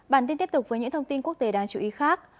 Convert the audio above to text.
bản tin tiếp tục với những thông tin quốc tế đáng chú ý khác